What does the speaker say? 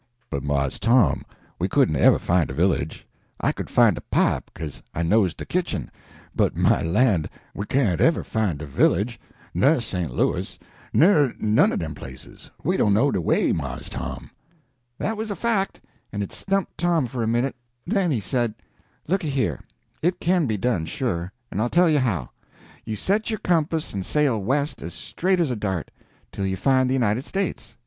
"But, Mars Tom, we couldn't ever find de village. I could find de pipe, 'case I knows de kitchen, but my lan', we can't ever find de village, nur Sent Louis, nur none o' dem places. We don't know de way, Mars Tom." That was a fact, and it stumped Tom for a minute. Then he said: "Looky here, it can be done, sure; and I'll tell you how. You set your compass and sail west as straight as a dart, till you find the United States.